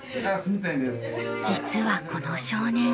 実はこの少年